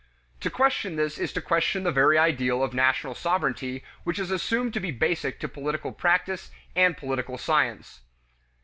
To question this is to question the very idea of national sovereignty which is assumed to be basic to political practice and political science.